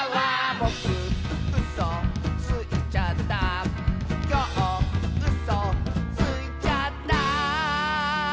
「ぼくうそついちゃった」「きょううそついちゃった」